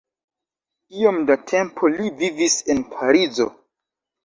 Iom da tempo li vivis en Parizo.